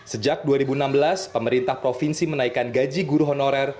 sejak dua ribu enam belas pemerintah provinsi menaikkan gaji guru honorer